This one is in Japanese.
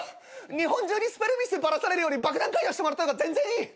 日本中にスペルミスバラされるより爆弾解除してもらった方が全然いい。